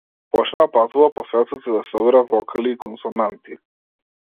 Почна да патува по светот и да собира вокали и консонанти.